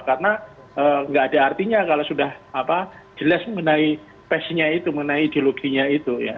karena tidak ada artinya kalau sudah jelas mengenai pesenya itu mengenai ideologinya itu